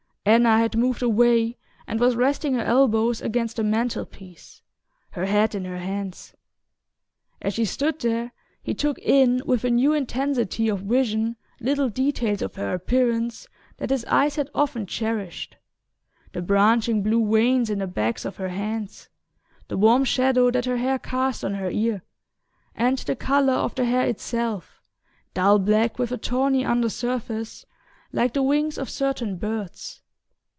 Anna had moved away and was resting her elbows against the mantel piece, her head in her hands. As she stood there he took in with a new intensity of vision little details of her appearance that his eyes had often cherished: the branching blue veins in the backs of her hands, the warm shadow that her hair cast on her ear, and the colour of the hair itself, dull black with a tawny under surface, like the wings of certain birds.